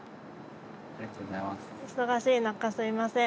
ありがとうございますうん？